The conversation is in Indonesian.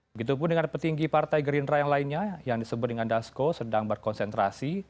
begitupun dengan petinggi partai gerindra yang lainnya yang disebut dengan dasko sedang berkonsentrasi